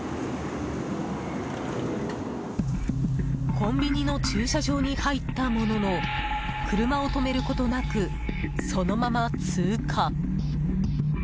コンビニの駐車場に入ったものの車を止めることなくそのまま通過。